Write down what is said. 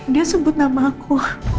dia sebut nama aku